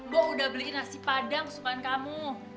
buah udah beli nasi padang kesukaan kamu